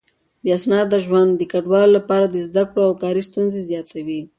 بې اسناده ژوند د کډوالو لپاره د زده کړو او کار ستونزې زياتوي.